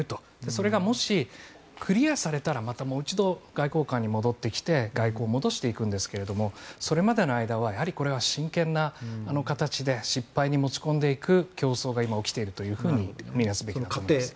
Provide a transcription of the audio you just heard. それがもし、クリアされたらまたもう一度外交官に戻ってきて外交を戻していくんですがそれまでの間はこれは真剣な形で失敗に持ち込んでいく競争が今、起きていると見るべきだと思います。